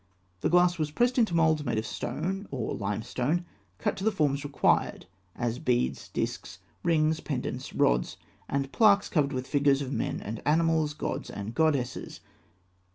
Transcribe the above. The glass was pressed into moulds made of stone or limestone cut to the forms required, as beads, discs, rings, pendants, rods, and plaques covered with figures of men and animals, gods and goddesses.